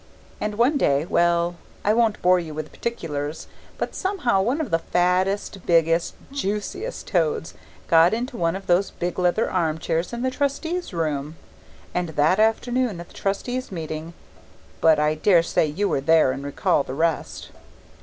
And one day well, I won't bore you with particulars but somehow, one of the fattest, biggest, JUCIEST toads got into one of those big leather arm chairs in the Trustees' room, and that afternoon at the Trustees' meeting But I dare say you were there and recall the rest?